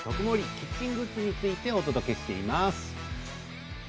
キッチングッズについてお届けしています。